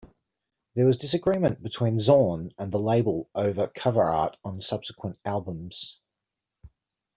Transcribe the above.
There was disagreement between Zorn and the label over cover art on subsequent albums.